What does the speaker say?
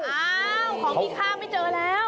อ้าวของมีค่าไม่เจอแล้ว